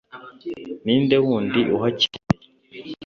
ninde wundi uhakeneye